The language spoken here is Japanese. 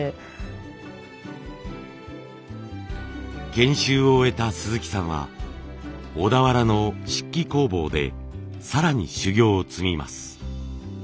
研修を終えた鈴木さんは小田原の漆器工房で更に修業を積みます。